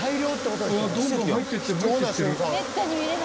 どんどん入っていってる入っていってる。